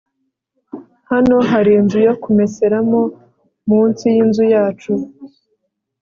hano hari inzu yo kumeseramo munsi yinzu yacu